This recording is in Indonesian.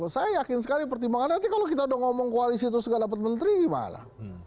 saya yakin sekali pertimbangan nanti kalau kita udah ngomong koalisi terus gak dapat menteri gimana